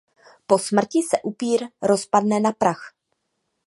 Po smrti se upír rozpadne na prach.